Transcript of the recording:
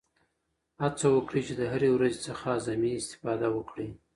هڅه وکړئ چې د هرې ورځې څخه اعظمي استفاده وکړئ.